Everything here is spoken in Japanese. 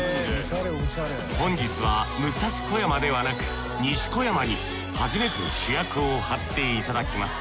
本日は武蔵小山ではなく西小山に初めて主役を張っていただきます。